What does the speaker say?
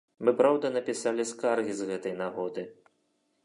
Мы, праўда, напісалі скаргі з гэтай нагоды.